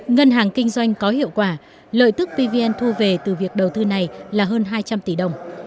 ngân hàng kinh doanh có hiệu quả lợi tức pvn thu về từ việc đầu tư này là hơn hai trăm linh tỷ đồng